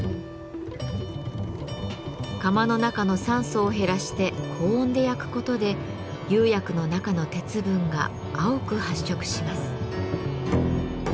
窯の中の酸素を減らして高温で焼くことで釉薬の中の鉄分が青く発色します。